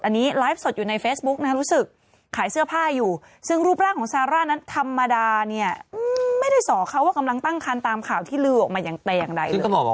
บอกว่าทองหลายเดือนได้นะคิดจะต้องทองหลายระดับ